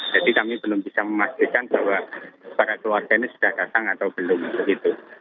jadi kami belum bisa memastikan bahwa para keluarga ini sudah datang atau belum begitu